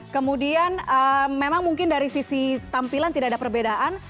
kemudian memang mungkin dari sisi tampilan tidak ada perbedaan